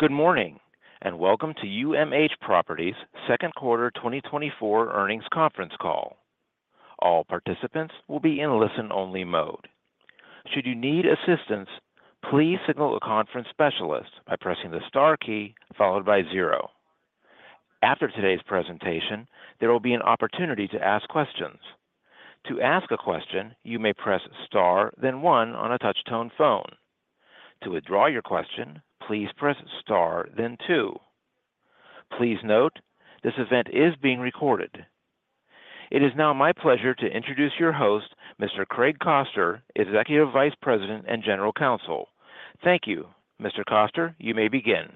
Good morning, and welcome to UMH Properties' second quarter 2024 earnings conference call. All participants will be in listen-only mode. Should you need assistance, please signal a conference specialist by pressing the star key followed by zero. After today's presentation, there will be an opportunity to ask questions. To ask a question, you may press star, then one on a touch-tone phone. To withdraw your question, please press star then two. Please note, this event is being recorded. It is now my pleasure to introduce your host, Mr. Craig Koster, Executive Vice President and General Counsel. Thank you. Mr. Koster, you may begin.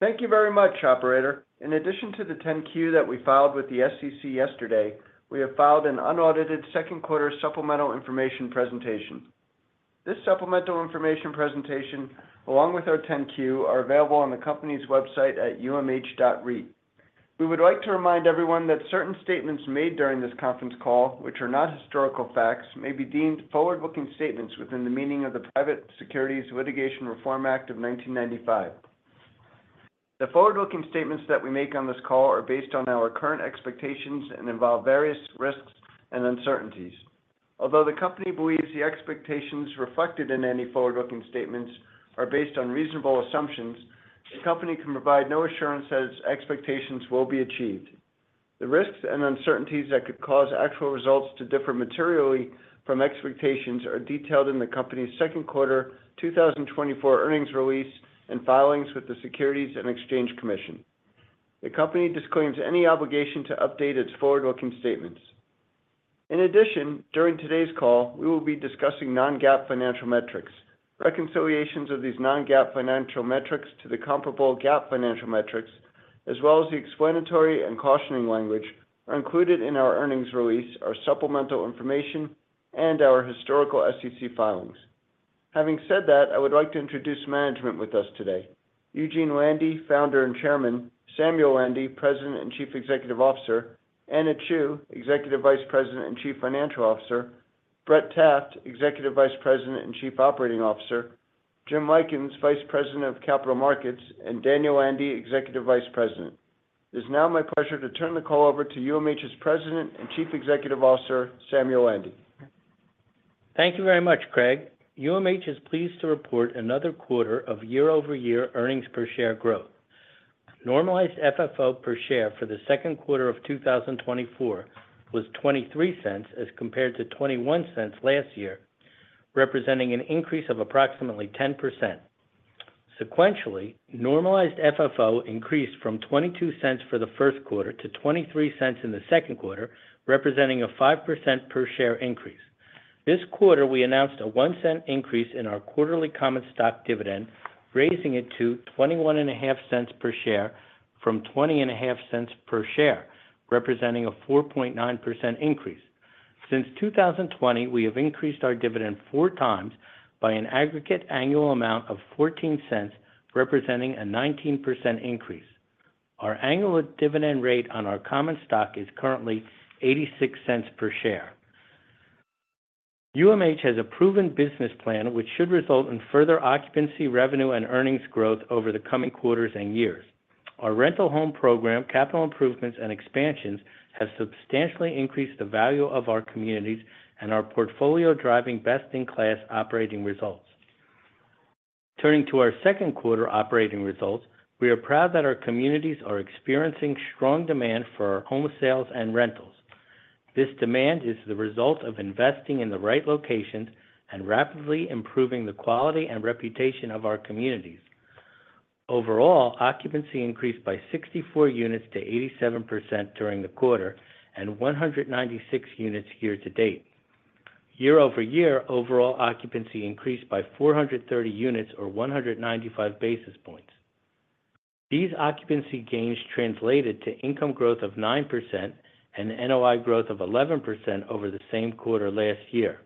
Thank you very much, operator. In addition to the 10-Q that we filed with the SEC yesterday, we have filed an unaudited second quarter supplemental information presentation. This supplemental information presentation, along with our 10-Q, are available on the company's website at umh.reit. We would like to remind everyone that certain statements made during this conference call, which are not historical facts, may be deemed forward-looking statements within the meaning of the Private Securities Litigation Reform Act of 1995. The forward-looking statements that we make on this call are based on our current expectations and involve various risks and uncertainties. Although the company believes the expectations reflected in any forward-looking statements are based on reasonable assumptions, the company can provide no assurance that its expectations will be achieved. The risks and uncertainties that could cause actual results to differ materially from expectations are detailed in the company's second quarter 2024 earnings release and filings with the Securities and Exchange Commission. The company disclaims any obligation to update its forward-looking statements. In addition, during today's call, we will be discussing non-GAAP financial metrics. Reconciliations of these non-GAAP financial metrics to the comparable GAAP financial metrics, as well as the explanatory and cautioning language, are included in our earnings release, our supplemental information, and our historical SEC filings. Having said that, I would like to introduce management with us today. Eugene Landy, Founder and Chairman; Samuel Landy, President and Chief Executive Officer; Anna Chew, Executive Vice President and Chief Financial Officer; Brett Taft, Executive Vice President and Chief Operating Officer; Jim Lykins, Vice President of Capital Markets; and Daniel Landy, Executive Vice President. It's now my pleasure to turn the call over to UMH's President and Chief Executive Officer, Samuel Landy. Thank you very much, Craig. UMH is pleased to report another quarter of year-over-year earnings per share growth. Normalized FFO per share for the second quarter of 2024 was $0.23, as compared to $0.21 last year, representing an increase of approximately 10%. Sequentially, Normalized FFO increased from $0.22 for the first quarter to $0.23 in the second quarter, representing a 5% per share increase. This quarter, we announced a $0.01 increase in our quarterly common stock dividend, raising it to $0.215 per share from $0.205 per share, representing a 4.9% increase. Since 2020, we have increased our dividend 4x by an aggregate annual amount of $0.14, representing a 19% increase. Our annual dividend rate on our common stock is currently $0.86 per share. UMH has a proven business plan, which should result in further occupancy, revenue, and earnings growth over the coming quarters and years. Our rental home program, capital improvements, and expansions have substantially increased the value of our communities and our portfolio, driving best-in-class operating results. Turning to our second quarter operating results, we are proud that our communities are experiencing strong demand for our home sales and rentals. This demand is the result of investing in the right locations and rapidly improving the quality and reputation of our communities. Overall, occupancy increased by 64 units to 87% during the quarter and 196 units year to date. Year over year, overall occupancy increased by 430 units or 195 basis points. These occupancy gains translated to income growth of 9% and NOI growth of 11% over the same quarter last year.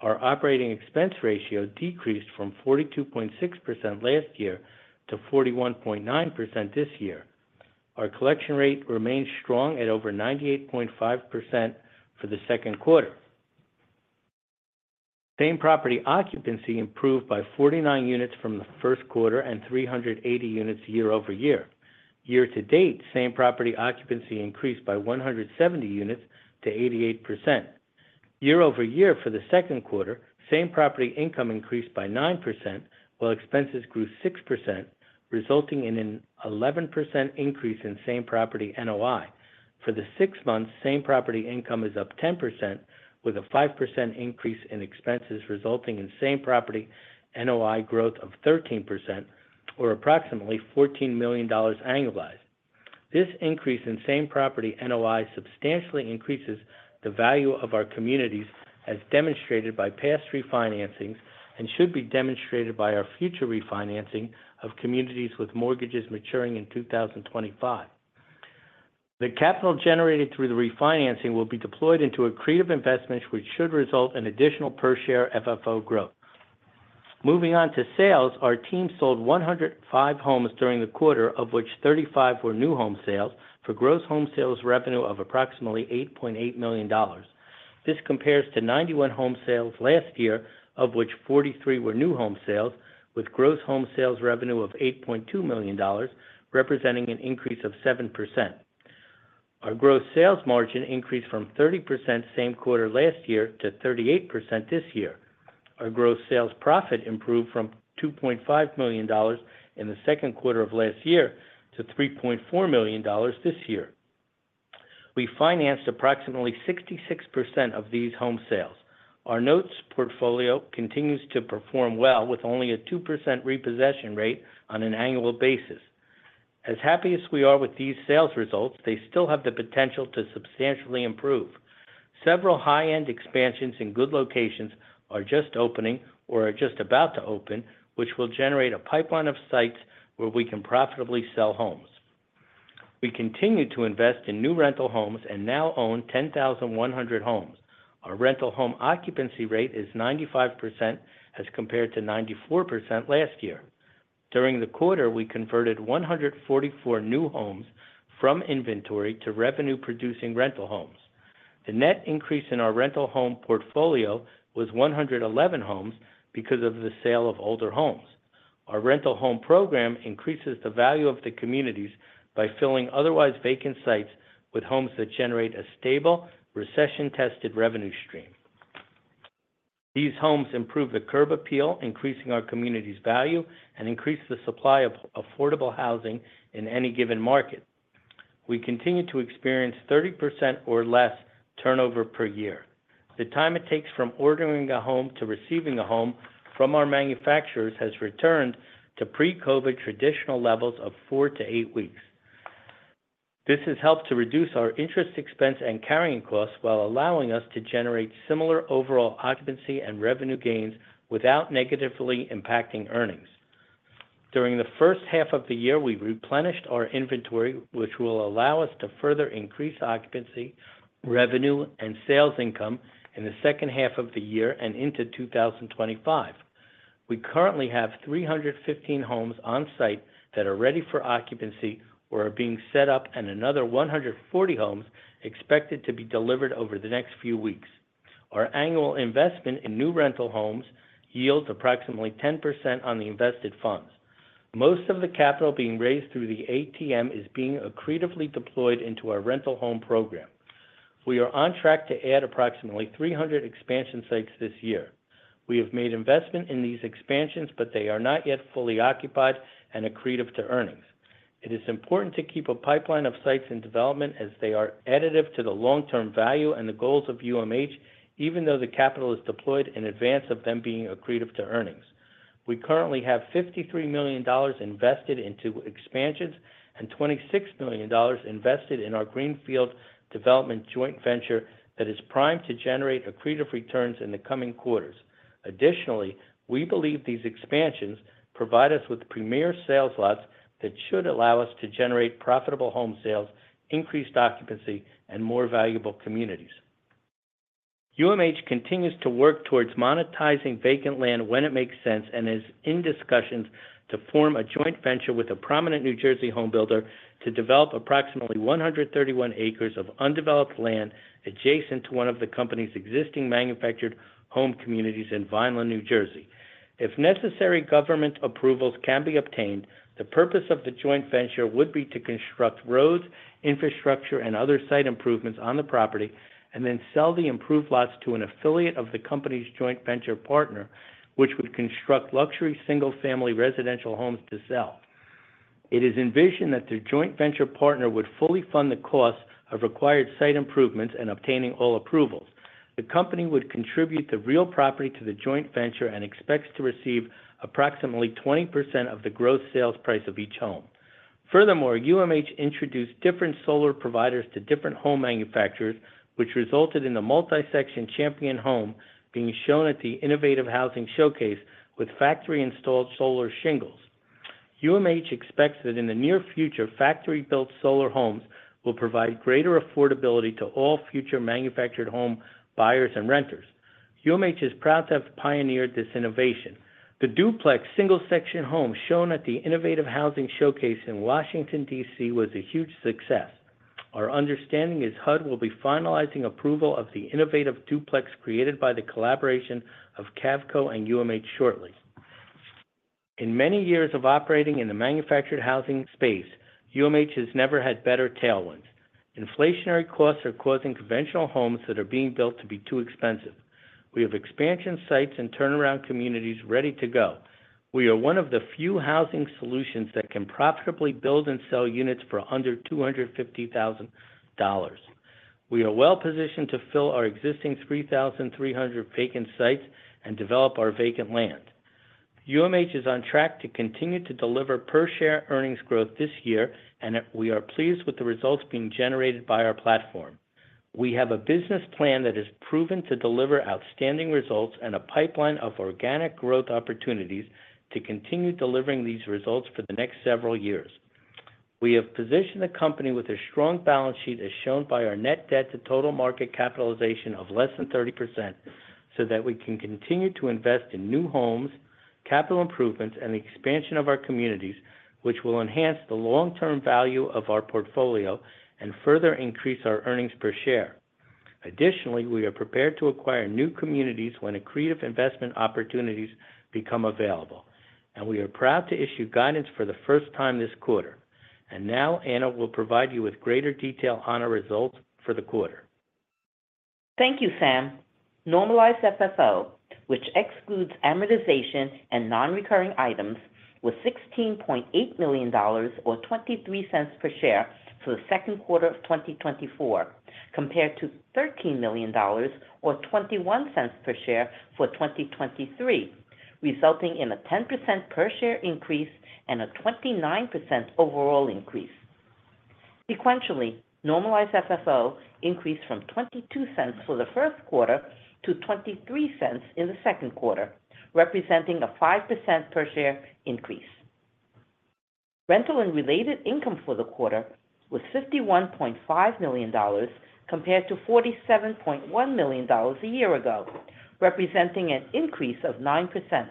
Our operating expense ratio decreased from 42.6% last year to 41.9% this year. Our collection rate remains strong at over 98.5% for the second quarter. Same property occupancy improved by 49 units from the first quarter and 380 units year-over-year. Year to date, same property occupancy increased by 170 units to 88%. Year-over-year for the second quarter, same property income increased by 9%, while expenses grew 6%, resulting in an 11% increase in same property NOI. For the six months, same property income is up 10%, with a 5% increase in expenses, resulting in same property NOI growth of 13% or approximately $14 million annualized. This increase in same property NOI substantially increases the value of our communities, as demonstrated by past refinancings, and should be demonstrated by our future refinancing of communities with mortgages maturing in 2025. The capital generated through the refinancing will be deployed into accretive investments, which should result in additional per share FFO growth. Moving on to sales. Our team sold 105 homes during the quarter, of which 35 were new home sales, for gross home sales revenue of approximately $8.8 million. This compares to 91 home sales last year, of which 43 were new home sales, with gross home sales revenue of $8.2 million, representing an increase of 7%. Our gross sales margin increased from 30% same quarter last year to 38% this year. Our gross sales profit improved from $2.5 million in the second quarter of last year to $3.4 million this year. We financed approximately 66% of these home sales. Our notes portfolio continues to perform well, with only a 2% repossession rate on an annual basis. As happy as we are with these sales results, they still have the potential to substantially improve. Several high-end expansions in good locations are just opening or are just about to open, which will generate a pipeline of sites where we can profitably sell homes. We continue to invest in new rental homes and now own 10,100 homes. Our rental home occupancy rate is 95%, as compared to 94% last year. During the quarter, we converted 144 new homes from inventory to revenue-producing rental homes. The net increase in our rental home portfolio was 111 homes because of the sale of older homes. Our rental home program increases the value of the communities by filling otherwise vacant sites with homes that generate a stable, recession-tested revenue stream. These homes improve the curb appeal, increasing our community's value, and increase the supply of affordable housing in any given market. We continue to experience 30% or less turnover per year. The time it takes from ordering a home to receiving a home from our manufacturers has returned to pre-COVID traditional levels of 4-8 weeks. This has helped to reduce our interest expense and carrying costs while allowing us to generate similar overall occupancy and revenue gains without negatively impacting earnings. During the first half of the year, we replenished our inventory, which will allow us to further increase occupancy, revenue, and sales income in the second half of the year and into 2025. We currently have 315 homes on site that are ready for occupancy or are being set up, and another 140 homes expected to be delivered over the next few weeks. Our annual investment in new rental homes yields approximately 10% on the invested funds. Most of the capital being raised through the ATM is being accretively deployed into our rental home program. We are on track to add approximately 300 expansion sites this year. We have made investment in these expansions, but they are not yet fully occupied and accretive to earnings. It is important to keep a pipeline of sites in development as they are additive to the long-term value and the goals of UMH, even though the capital is deployed in advance of them being accretive to earnings. We currently have $53 million invested into expansions and $26 million invested in our greenfield development joint venture that is primed to generate accretive returns in the coming quarters. Additionally, we believe these expansions provide us with premier sales lots that should allow us to generate profitable home sales, increased occupancy, and more valuable communities. UMH continues to work towards monetizing vacant land when it makes sense, and is in discussions to form a joint venture with a prominent New Jersey home builder to develop approximately 131 acres of undeveloped land adjacent to one of the company's existing manufactured home communities in Vineland, New Jersey. If necessary government approvals can be obtained, the purpose of the joint venture would be to construct roads, infrastructure, and other site improvements on the property, and then sell the improved lots to an affiliate of the company's joint venture partner, which would construct luxury single-family residential homes to sell. It is envisioned that the joint venture partner would fully fund the cost of required site improvements and obtaining all approvals. The company would contribute the real property to the joint venture and expects to receive approximately 20% of the gross sales price of each home. Furthermore, UMH introduced different solar providers to different home manufacturers, which resulted in the multi-section Champion home being shown at the Innovative Housing Showcase with factory-installed solar shingles. UMH expects that in the near future, factory-built solar homes will provide greater affordability to all future manufactured home buyers and renters. UMH is proud to have pioneered this innovation. The duplex single-section home shown at the Innovative Housing Showcase in Washington, D.C., was a huge success. Our understanding is HUD will be finalizing approval of the innovative duplex created by the collaboration of Cavco and UMH shortly. In many years of operating in the manufactured housing space, UMH has never had better tailwinds. Inflationary costs are causing conventional homes that are being built to be too expensive. We have expansion sites and turnaround communities ready to go. We are one of the few housing solutions that can profitably build and sell units for under $250,000. We are well-positioned to fill our existing 3,300 vacant sites and develop our vacant land. UMH is on track to continue to deliver per-share earnings growth this year, and we are pleased with the results being generated by our platform. We have a business plan that has proven to deliver outstanding results and a pipeline of organic growth opportunities to continue delivering these results for the next several years. We have positioned the company with a strong balance sheet, as shown by our net debt to total market capitalization of less than 30%, so that we can continue to invest in new homes, capital improvements, and the expansion of our communities, which will enhance the long-term value of our portfolio and further increase our earnings per share. Additionally, we are prepared to acquire new communities when accretive investment opportunities become available, and we are proud to issue guidance for the first time this quarter. Now Anna will provide you with greater detail on our results for the quarter. Thank you, Sam. Normalized FFO, which excludes amortization and non-recurring items, was $16.8 million, or $0.23 per share, for the second quarter of 2024, compared to $13 million, or $0.21 per share for 2023, resulting in a 10% per share increase and a 29% overall increase. Sequentially, Normalized FFO increased from $0.22 for the first quarter to $0.23 in the second quarter, representing a 5% per share increase. Rental and related income for the quarter was $51.5 million, compared to $47.1 million a year ago, representing an increase of 9%.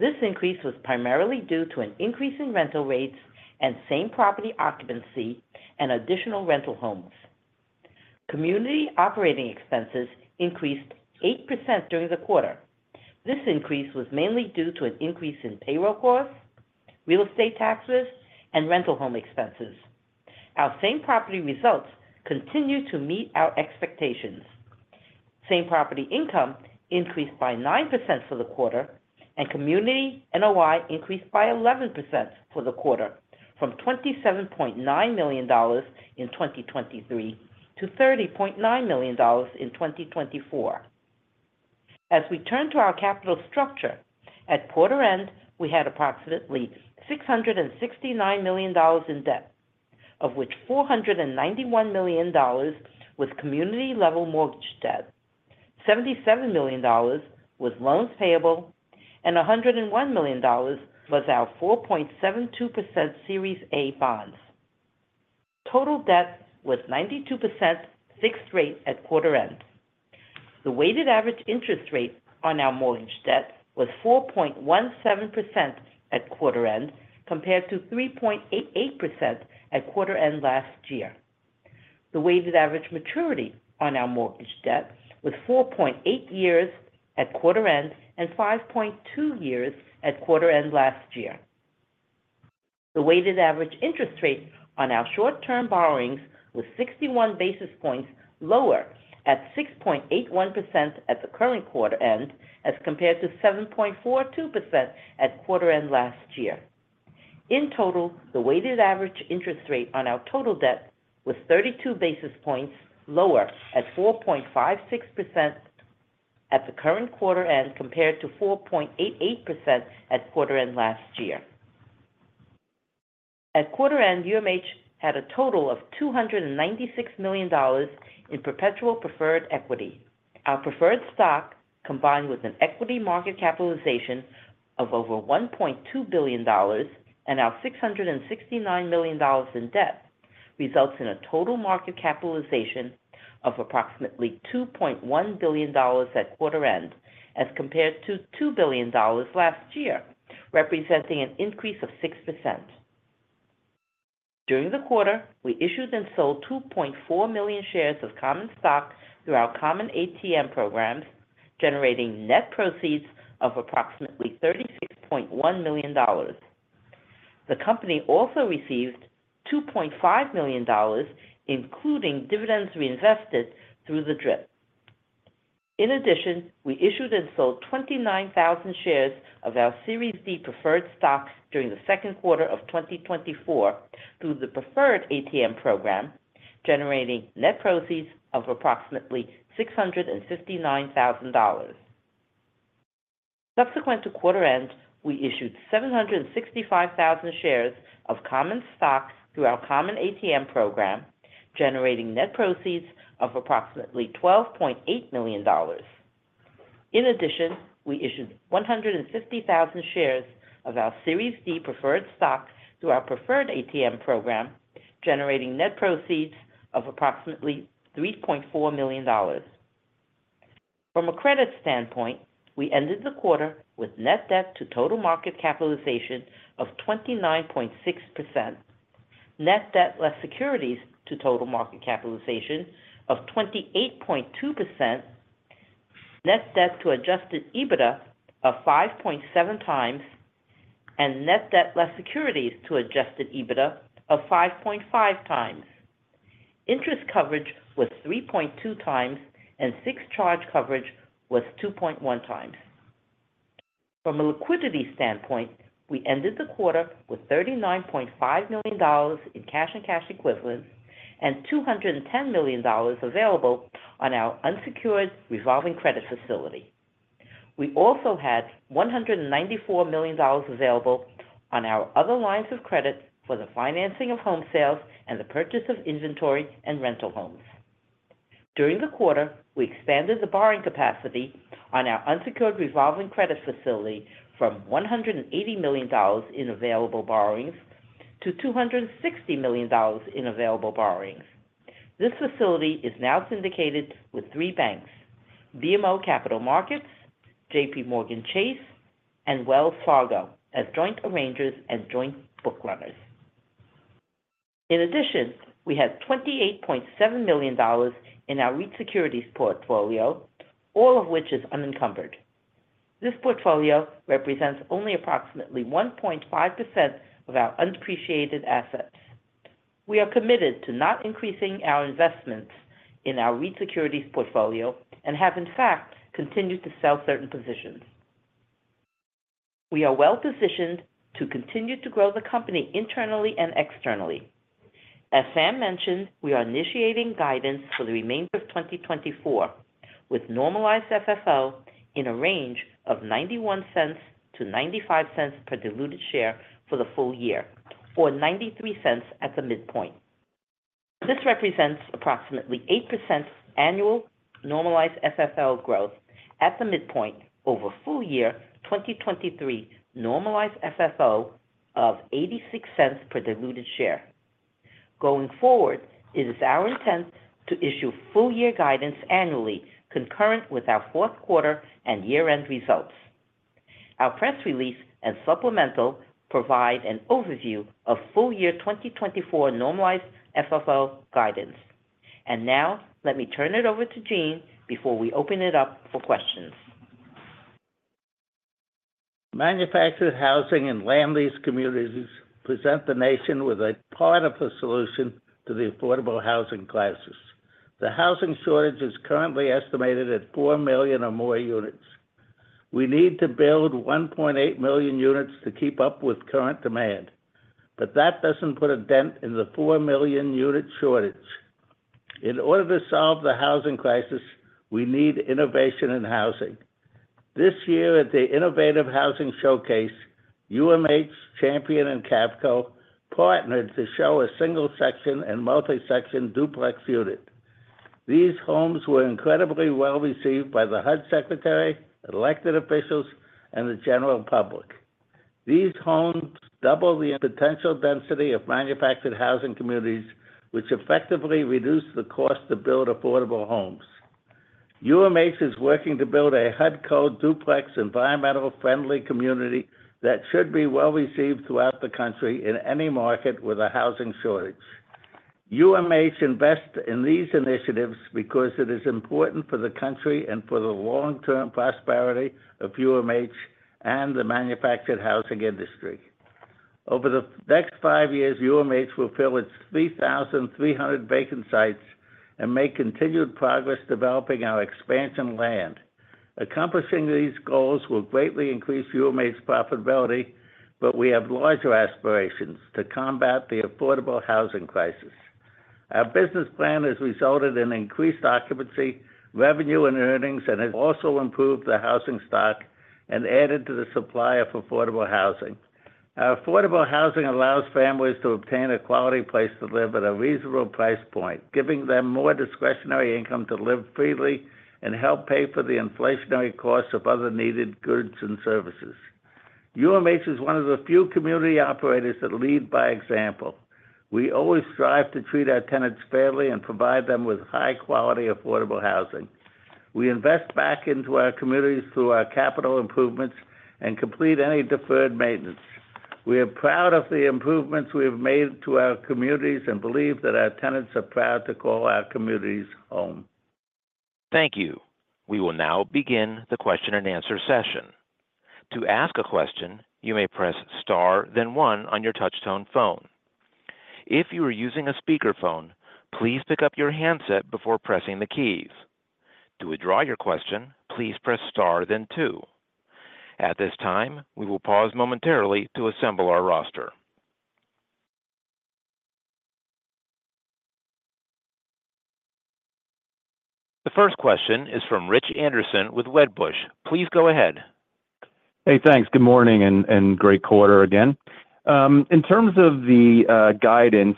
This increase was primarily due to an increase in rental rates and same-property occupancy and additional rental homes. Community operating expenses increased 8% during the quarter. This increase was mainly due to an increase in payroll costs, real estate taxes, and rental home expenses. Our same-property results continued to meet our expectations. Same-property income increased by 9% for the quarter, and community NOI increased by 11% for the quarter, from $27.9 million in 2023 to $30.9 million in 2024. As we turn to our capital structure, at quarter end, we had approximately $669 million in debt, of which $491 million was community-level mortgage debt, $77 million was loans payable, and $101 million was our 4.72% Series A Bonds. Total debt was 92% fixed rate at quarter end. The weighted average interest rate on our mortgage debt was 4.17% at quarter end, compared to 3.88% at quarter end last year. The weighted average maturity on our mortgage debt was 4.8 years at quarter end, and 5.2 years at quarter end last year. The weighted average interest rate on our short-term borrowings was 61 basis points lower at 6.81% at the current quarter end, as compared to 7.42% at quarter end last year. In total, the weighted average interest rate on our total debt was 32 basis points lower at 4.56% at the current quarter end, compared to 4.88% at quarter end last year. At quarter end, UMH had a total of $296 million in perpetual preferred equity. Our preferred stock, combined with an equity market capitalization of over $1.2 billion and our $669 million in debt, results in a total market capitalization of approximately $2.1 billion at quarter end, as compared to $2 billion last year, representing an increase of 6%. During the quarter, we issued and sold 2.4 million shares of common stock through our common ATM programs, generating net proceeds of approximately $36.1 million. The company also received $2.5 million, including dividends reinvested through the DRIP. In addition, we issued and sold 29,000 shares of our Series D Preferred Stock during the second quarter of 2024 through the preferred ATM program, generating net proceeds of approximately $659,000. Subsequent to quarter end, we issued 765,000 shares of Common Stock through our common ATM program, generating net proceeds of approximately $12.8 million. In addition, we issued 150,000 shares of our Series D Preferred Stock through our preferred ATM program, generating net proceeds of approximately $3.4 million. From a credit standpoint, we ended the quarter with net debt to total market capitalization of 29.6%, net debt less securities to total market capitalization of 28.2%, net debt to adjusted EBITDA of 5.7x, and net debt less securities to adjusted EBITDA of 5.5x. Interest coverage was 3.2x, and fixed charge coverage was 2.1x. From a liquidity standpoint, we ended the quarter with $39.5 million in cash and cash equivalents, and $210 million available on our unsecured revolving credit facility. We also had $194 million available on our other lines of credit for the financing of home sales and the purchase of inventory and rental homes. During the quarter, we expanded the borrowing capacity on our unsecured revolving credit facility from $180 million in available borrowings to $260 million in available borrowings. This facility is now syndicated with three banks, BMO Capital Markets, JPMorgan Chase, and Wells Fargo, as joint arrangers and joint bookrunners. In addition, we have $28.7 million in our REIT securities portfolio, all of which is unencumbered. This portfolio represents only approximately 1.5% of our unappreciated assets. We are committed to not increasing our investments in our REIT securities portfolio and have, in fact, continued to sell certain positions. We are well-positioned to continue to grow the company internally and externally. As Sam mentioned, we are initiating guidance for the remainder of 2024, with Normalized FFO in a range of $0.91-$0.95 per diluted share for the full year, or $0.93 at the midpoint. This represents approximately 8% annual Normalized FFO growth at the midpoint over full year 2023 Normalized FFO of $0.86 per diluted share. Going forward, it is our intent to issue full year guidance annually, concurrent with our fourth quarter and year-end results. Our press release and supplemental provide an overview of full year 2024 Normalized FFO guidance. And now let me turn it over to Gene before we open it up for questions. Manufactured housing and land lease communities present the nation with a part of the solution to the affordable housing crisis. The housing shortage is currently estimated at 4 million or more units. We need to build 1.8 million units to keep up with current demand, but that doesn't put a dent in the 4 million unit shortage. In order to solve the housing crisis, we need innovation in housing. This year at the Innovative Housing Showcase, UMH, Champion, and Cavco partnered to show a single section and multi-section duplex unit. These homes were incredibly well-received by the HUD Secretary, elected officials, and the general public. These homes double the potential density of manufactured housing communities, which effectively reduce the cost to build affordable homes. UMH is working to build a HUD Code duplex, environmentally friendly community that should be well-received throughout the country in any market with a housing shortage. UMH invests in these initiatives because it is important for the country and for the long-term prosperity of UMH and the manufactured housing industry. Over the next five years, UMH will fill its 3,300 vacant sites and make continued progress developing our expansion land. Accomplishing these goals will greatly increase UMH's profitability, but we have larger aspirations to combat the affordable housing crisis. Our business plan has resulted in increased occupancy, revenue, and earnings, and has also improved the housing stock and added to the supply of affordable housing. Our affordable housing allows families to obtain a quality place to live at a reasonable price point, giving them more discretionary income to live freely and help pay for the inflationary costs of other needed goods and services. UMH is one of the few community operators that lead by example. We always strive to treat our tenants fairly and provide them with high-quality, affordable housing. We invest back into our communities through our capital improvements and complete any deferred maintenance. We are proud of the improvements we have made to our communities and believe that our tenants are proud to call our communities home. Thank you. We will now begin the question-and-answer session. To ask a question, you may press Star, then one on your touchtone phone. If you are using a speakerphone, please pick up your handset before pressing the keys. To withdraw your question, please press Star then two. At this time, we will pause momentarily to assemble our roster. The first question is from Rich Anderson with Wedbush. Please go ahead. Hey, thanks. Good morning, and great quarter again. In terms of the guidance,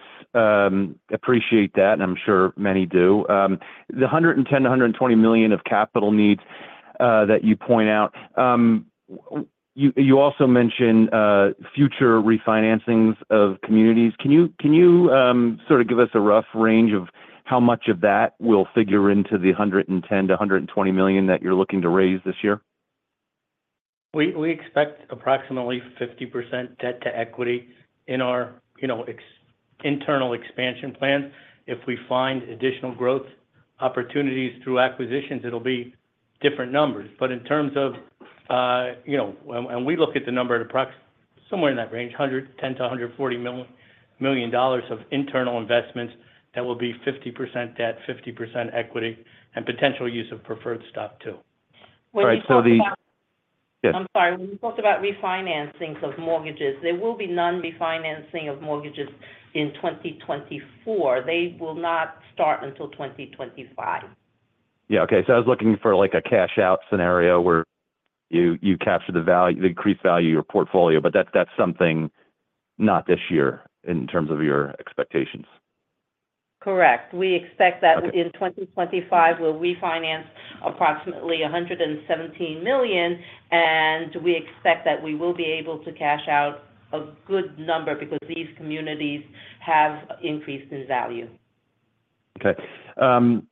appreciate that, and I'm sure many do. The $110 million-$120 million of capital needs that you point out, you also mentioned future refinancings of communities. Can you sort of give us a rough range of how much of that will figure into the $110 million-$120 million that you're looking to raise this year? We expect approximately 50% debt-to-equity in our, you know, internal expansion plans. If we find additional growth opportunities through acquisitions, it'll be different numbers. But in terms of, you know, and we look at the number at approximately somewhere in that range, $110 million-$140 million of internal investments, that will be 50% debt, 50% equity, and potential use of preferred stock, too. When we talk about- Right. Yes. I'm sorry. When we talk about refinancings of mortgages, there will be none refinancing of mortgages in 2024. They will not start until 2025. Yeah. Okay. So I was looking for, like, a cash-out scenario where you capture the value, the increased value of your portfolio, but that's something not this year in terms of your expectations? Correct. We expect that in 2025, we'll refinance approximately $117 million, and we expect that we will be able to cash out a good number because these communities have increased in value. Okay. Sam,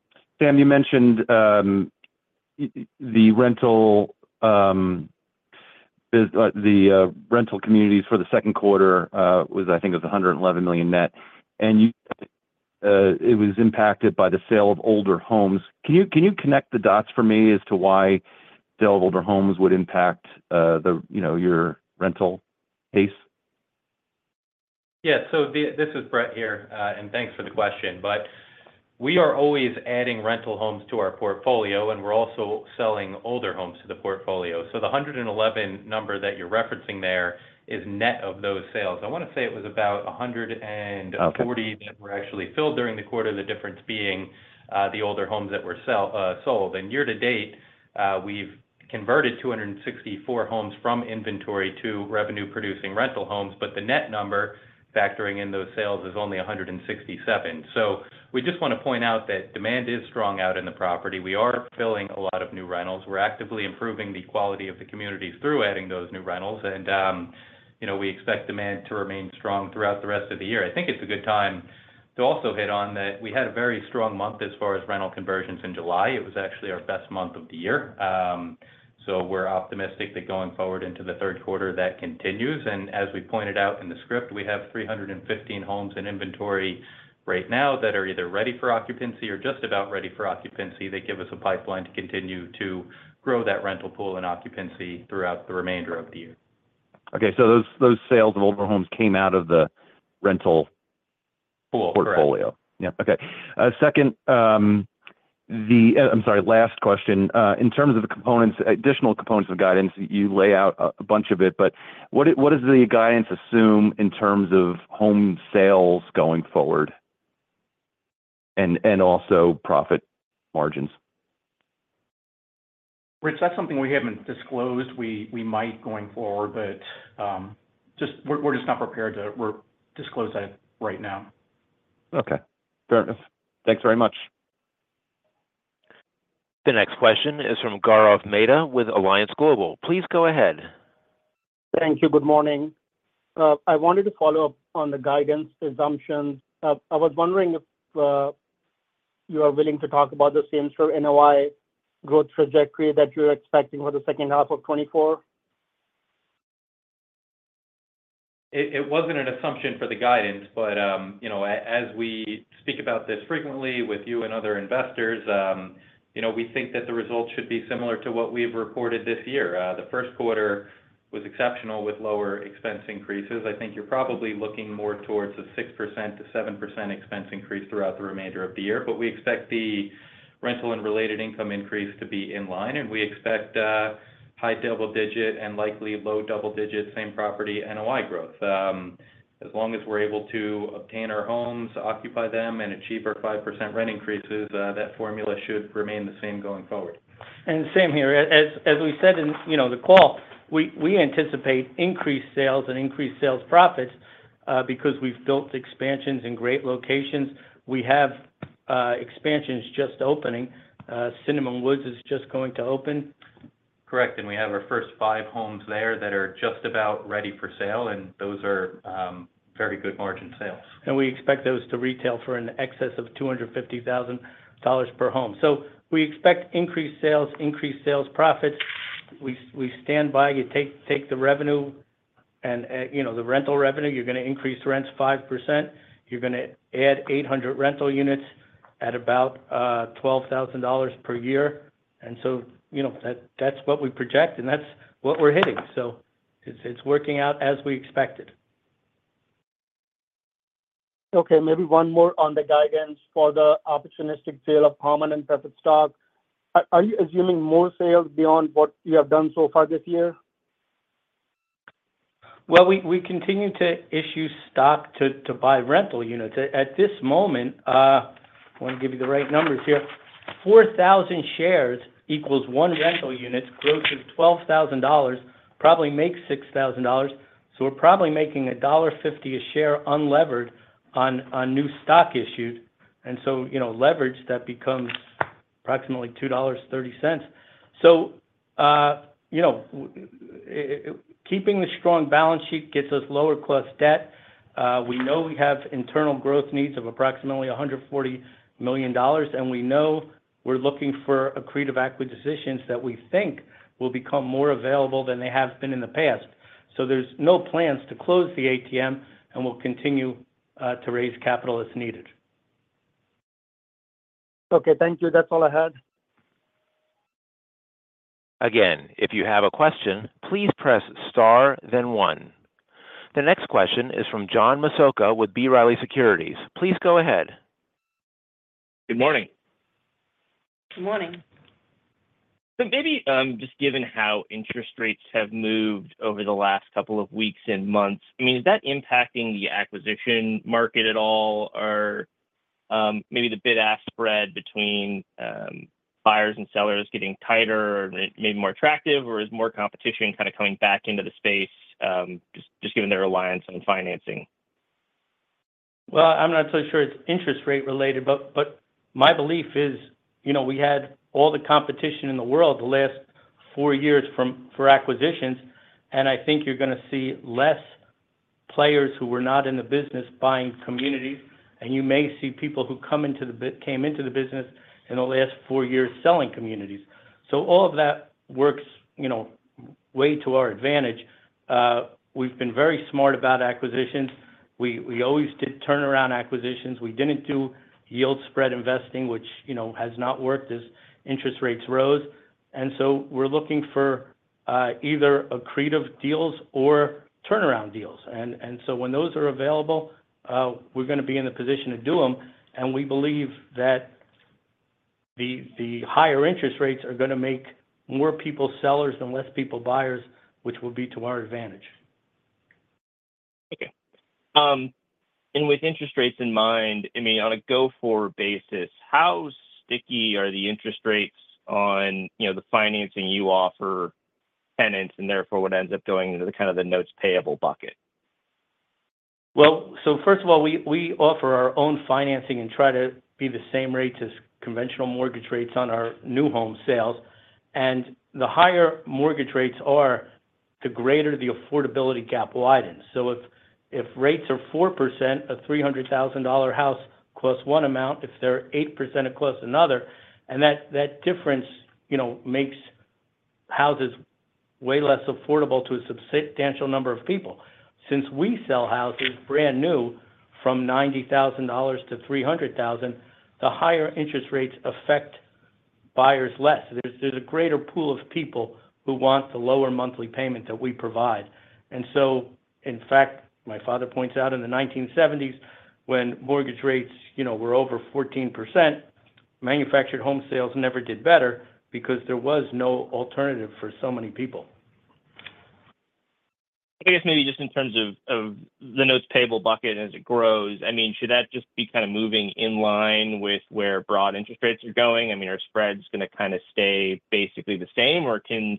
you mentioned the rental communities for the second quarter was, I think, $111 million net, and it was impacted by the sale of older homes. Can you connect the dots for me as to why the sale of older homes would impact the, you know, your rental pace? Yeah. So, this is Brett here, and thanks for the question. But we are always adding rental homes to our portfolio, and we're also selling older homes to the portfolio. So the 111 number that you're referencing there is net of those sales. I wanna say it was about 140 that were actually filled during the quarter, the difference being, the older homes that were sold. And year to date, we've converted 264 homes from inventory to revenue-producing rental homes, but the net number, factoring in those sales, is only 167. So we just wanna point out that demand is strong out in the property. We are filling a lot of new rentals. We're actively improving the quality of the communities through adding those new rentals, and, you know, we expect demand to remain strong throughout the rest of the year. I think it's a good time to also hit on that we had a very strong month as far as rental conversions in July. It was actually our best month of the year. So we're optimistic that going forward into the third quarter, that continues. As we pointed out in the script, we have 315 homes in inventory right now that are either ready for occupancy or just about ready for occupancy. They give us a pipeline to continue to grow that rental pool and occupancy throughout the remainder of the year. Okay, so those sales of older homes came out of the rental portfolio? Correct. Yeah. Okay. Second, I'm sorry. Last question. In terms of the components, additional components of guidance, you lay out a bunch of it, but what does the guidance assume in terms of home sales going forward and also profit margins? Rich, that's something we haven't disclosed. We might going forward, but just, we're just not prepared to disclose that right now. Okay. Fair enough. Thanks very much. The next question is from Gaurav Mehta with Alliance Global. Please go ahead. Thank you. Good morning. I wanted to follow up on the guidance assumptions. I was wondering if you are willing to talk about the same sort of NOI growth trajectory that you're expecting for the second half of 2024? It wasn't an assumption for the guidance, but, you know, as we speak about this frequently with you and other investors, you know, we think that the results should be similar to what we've reported this year. The first quarter was exceptional, with lower expense increases. I think you're probably looking more towards a 6%-7% expense increase throughout the remainder of the year. But we expect the rental and related income increase to be in line, and we expect high double digit and likely low double digit same property NOI growth. As long as we're able to obtain our homes, occupy them, and achieve our 5% rent increases, that formula should remain the same going forward. And Sam here, as we said in, you know, the call, we anticipate increased sales and increased sales profits, because we've built expansions in great locations. We have expansions just opening. Cinnamon Woods is just going to open. Correct. And we have our first five homes there that are just about ready for sale, and those are very good margin sales. We expect those to retail for in excess of $250,000 per home. So we expect increased sales, increased sales profits. We stand by, you take the revenue and, you know, the rental revenue, you're gonna increase rents 5%. You're gonna add 800 rental units at about $12,000 per year. And so, you know, that's what we project, and that's what we're hitting. So it's working out as we expected. Okay, maybe one more on the guidance for the opportunistic sale of permanent asset stock. Are you assuming more sales beyond what you have done so far this year? Well, we continue to issue stock to buy rental units. At this moment, I want to give you the right numbers here. 4,000 shares equals 1 rental unit, grosses $12,000, probably makes $6,000. So we're probably making $1.50 a share unlevered on new stock issued. And so, you know, leveraged, that becomes approximately $2.30. So, you know, keeping the strong balance sheet gets us lower-cost debt. We know we have internal growth needs of approximately $140 million, and we know we're looking for accretive acquisitions that we think will become more available than they have been in the past. So there's no plans to close the ATM, and we'll continue to raise capital as needed. Okay. Thank you. That's all I had. Again, if you have a question, please press Star, then One. The next question is from John Massocca with B. Riley Securities. Please go ahead. Good morning. Good morning. So maybe, just given how interest rates have moved over the last couple of weeks and months, I mean, is that impacting the acquisition market at all? Or, maybe the bid-ask spread between buyers and sellers getting tighter or maybe more attractive, or is more competition kind of coming back into the space, just given their reliance on financing? Well, I'm not so sure it's interest rate-related, but my belief is, you know, we had all the competition in the world the last four years from for acquisitions, and I think you're gonna see less players who were not in the business buying communities, and you may see people who came into the business in the last four years selling communities. So all of that works, you know, way to our advantage. We've been very smart about acquisitions. We always did turnaround acquisitions. We didn't do yield spread investing, which, you know, has not worked as interest rates rose. And so we're looking for either accretive deals or turnaround deals. And so when those are available, we're gonna be in a position to do them, and we believe that the higher interest rates are gonna make more people sellers and less people buyers, which will be to our advantage. Okay. And with interest rates in mind, I mean, on a go-forward basis, how sticky are the interest rates on, you know, the financing you offer tenants and therefore what ends up going into the kind of the notes payable bucket? Well, so first of all, we offer our own financing and try to be the same rate as conventional mortgage rates on our new home sales. And the higher mortgage rates are, the greater the affordability gap widens. So if rates are 4%, a $300,000 house costs one amount, if they're 8%, it costs another. And that difference, you know, makes houses way less affordable to a substantial number of people. Since we sell houses brand new from $90,000-$300,000, the higher interest rates affect buyers less. There's a greater pool of people who want the lower monthly payment that we provide. In fact, my father points out in the 1970s, when mortgage rates, you know, were over 14%, manufactured home sales never did better because there was no alternative for so many people. I guess maybe just in terms of the notes payable bucket as it grows, I mean, should that just be kind of moving in line with where broad interest rates are going? I mean, are spreads gonna kind of stay basically the same, or can,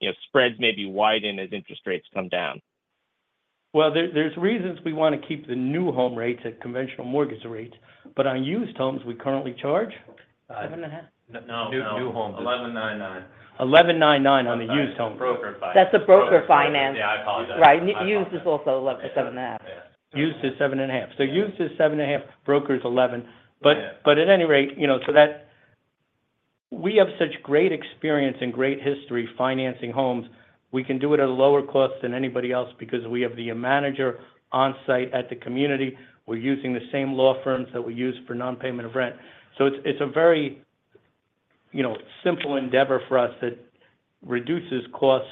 you know, spreads maybe widen as interest rates come down? Well, there's reasons we wanna keep the new home rates at conventional mortgage rates, but on used homes, we currently charge, 7.5%? No, no. New homes. 11.99%. 11.99% on the used homes. That's a broker finance. Yeah, I apologize. Right. Used is also 7.5%. Yeah. Used is 7.5%. So used is 7.5%, broker is 11%. Yeah. But at any rate, you know, so that we have such great experience and great history financing homes. We can do it at a lower cost than anybody else because we have the manager on-site at the community. We're using the same law firms that we use for non-payment of rent. So it's a very, you know, simple endeavor for us that reduces costs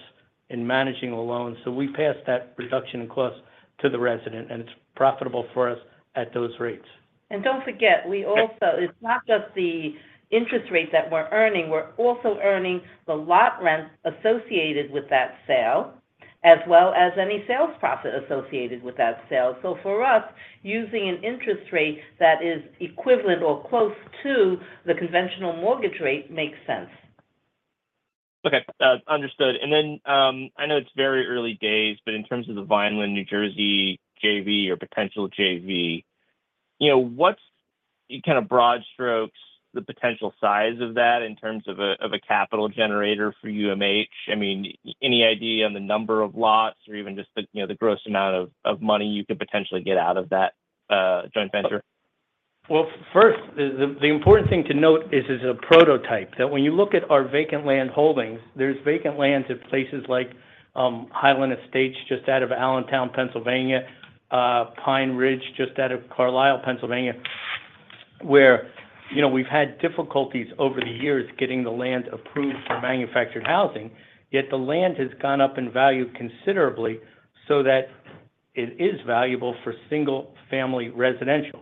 in managing the loans. So we pass that reduction in cost to the resident, and it's profitable for us at those rates. And don't forget, we also. It's not just the interest rate that we're earning, we're also earning the lot rents associated with that sale, as well as any sales profit associated with that sale. So for us, using an interest rate that is equivalent or close to the conventional mortgage rate makes sense. Okay, understood. And then, I know it's very early days, but in terms of the Vineland, New Jersey JV or potential JV, you know, what's, in kind of broad strokes, the potential size of that in terms of a, of a capital generator for UMH? I mean, any idea on the number of lots or even just the, you know, the gross amount of, of money you could potentially get out of that, joint venture? Well, first, the important thing to note is it's a prototype, that when you look at our vacant land holdings, there's vacant lands in places like Highland Estates, just out of Allentown, Pennsylvania, Pine Ridge, just out of Carlisle, Pennsylvania, where, you know, we've had difficulties over the years getting the land approved for manufactured housing, yet the land has gone up in value considerably so that it is valuable for single-family residential.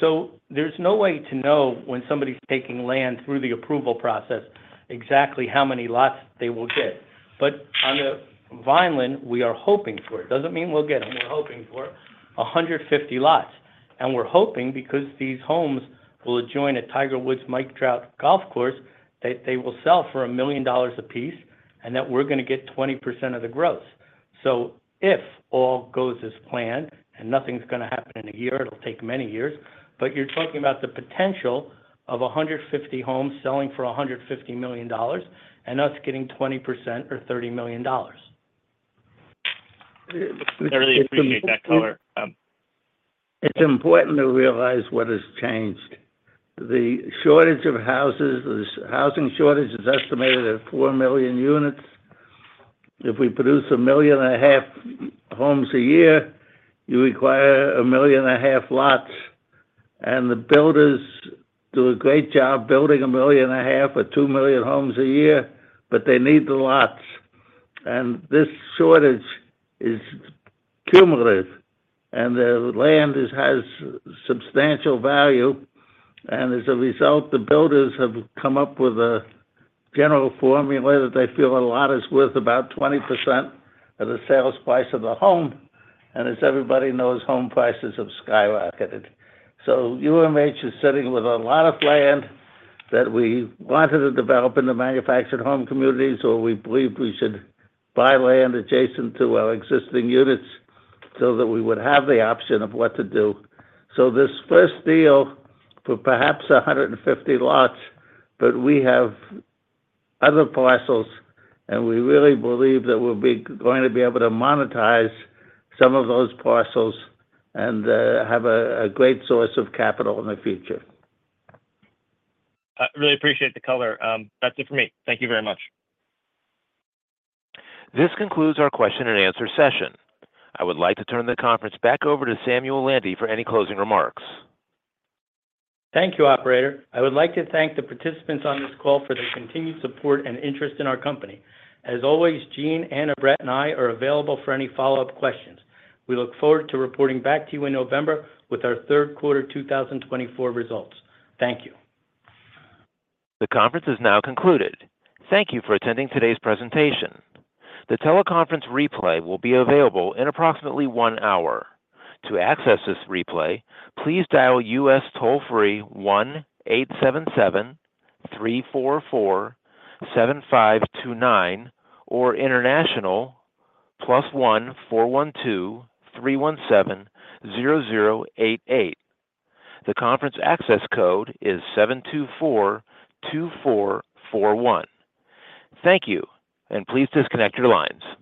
So there's no way to know when somebody's taking land through the approval process, exactly how many lots they will get. But on the Vineland, we are hoping for, it doesn't mean we'll get them. We're hoping for 150 lots, and we're hoping because these homes will adjoin a Tiger Woods Mike Trout golf course, that they will sell for $1 million a piece, and that we're gonna get 20% of the gross. So if all goes as planned, and nothing's gonna happen in a year, it'll take many years, but you're talking about the potential of 150 homes selling for $150 million, and us getting 20% or $30 million. I really appreciate that color. It's important to realize what has changed. The shortage of houses, the housing shortage, is estimated at 4 million units. If we produce 1.5 million homes a year, you require 1.5 million lots, and the builders do a great job building 1.5 million or 2 million homes a year, but they need the lots. This shortage is cumulative, and the land is, has substantial value, and as a result, the builders have come up with a general formula that they feel a lot is worth about 20% of the sales price of the home. As everybody knows, home prices have skyrocketed. So UMH is sitting with a lot of land that we wanted to develop into manufactured home communities, or we believed we should buy land adjacent to our existing units so that we would have the option of what to do. So this first deal for perhaps 150 lots, but we have other parcels, and we really believe that we'll be going to be able to monetize some of those parcels and have a great source of capital in the future. I really appreciate the color. That's it for me. Thank you very much. This concludes our question-and-answer session. I would like to turn the conference back over to Samuel Landy for any closing remarks. Thank you, operator. I would like to thank the participants on this call for their continued support and interest in our company. As always, Gene, Anna, Brett, and I are available for any follow-up questions. We look forward to reporting back to you in November with our third quarter 2024 results. Thank you. The conference is now concluded. Thank you for attending today's presentation. The teleconference replay will be available in approximately one hour. To access this replay, please dial U.S. toll-free 1-877-344-7529 or international +1-412-317-0088. The conference access code is 7242441. Thank you, and please disconnect your lines.